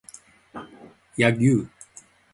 柳生